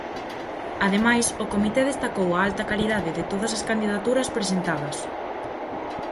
Ademais, o comité destacou a alta calidade de todas as candidaturas presentadas.